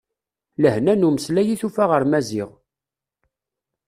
Lehna n umeslay i tufa ɣer Maziɣ.